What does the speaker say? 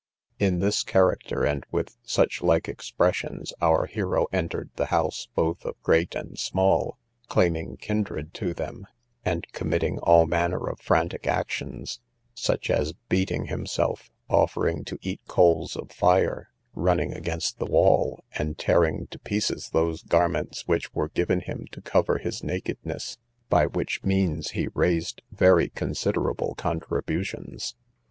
—In this character, and with such like expressions, our hero entered the house both of great and small, claiming kindred to them, and committing all manner of frantic actions; such as beating himself, offering to eat coals of fire, running against the wall, and tearing to pieces those garments that were given him to cover his nakedness; by which means he raised very considerable contributions.